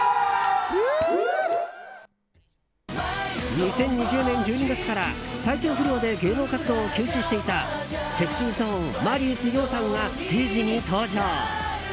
２０２０年１２月から体調不良で芸能活動を休止していたＳｅｘｙＺｏｎｅマリウス葉さんがステージに登場。